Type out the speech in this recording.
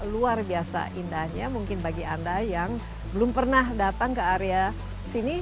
luar biasa indahnya mungkin bagi anda yang belum pernah datang ke area sini